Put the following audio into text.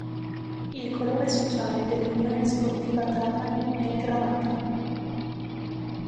Il colore sociale dell'Unione Sportiva Trapani è il granata